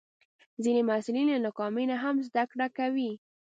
ځینې محصلین له ناکامۍ نه هم زده کړه کوي.